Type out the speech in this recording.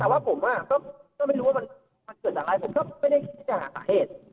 แต่ว่าผมก็ไม่รู้ว่ามันเกิดจากอะไรผมก็ไม่ได้คิดจะหาสาเหตุ